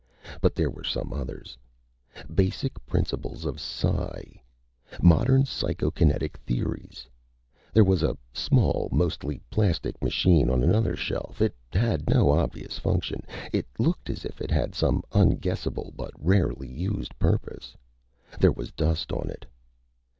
But there were some others: "Basic Principles of Psi", "Modern Psychokinetic Theories." There was a small, mostly plastic machine on another shelf. It had no obvious function. It looked as if it had some unguessable but rarely used purpose. There was dust on it.